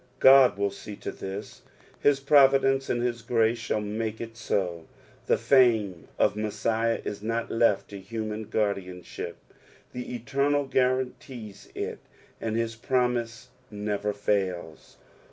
God will see to this; his providence and his grace shull inoke it SO. The fame of Messiah is not left to human guardianship ; the Eternal guarantees it, and his promise never fuils.